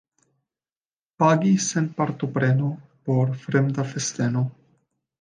Pagi sen partopreno por fremda festeno.